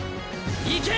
行け！